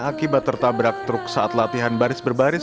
akibat tertabrak truk saat latihan baris berbaris